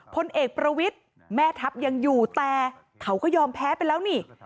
พลเอกประวิทย์แม่ทัพยังอยู่แต่เขาก็ยอมแพ้ไปแล้วนี่